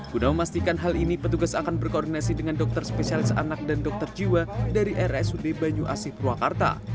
guna memastikan hal ini petugas akan berkoordinasi dengan dokter spesialis anak dan dokter jiwa dari rsud banyu asih purwakarta